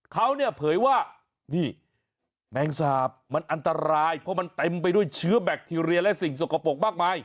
เขาเนี่ยเผยว่านี่แมงสาบมันอันตรายเพราะมันเต็มไปด้วยเชื้อแบคทีเรียและสิ่งสกปรกมากมาย